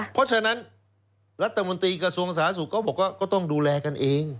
เพราะฉะนั้นรัฐมนตรีกระทรวงสาธารณสุขก็บอกว่าก็ต้องดูแลกันเอง